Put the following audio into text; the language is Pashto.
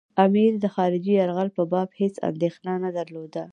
امیر د خارجي یرغل په باب هېڅ اندېښنه نه درلوده.